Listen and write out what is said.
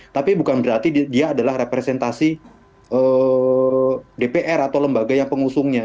tapi bukan berarti dia adalah representasi dpr atau lembaga yang pengusungnya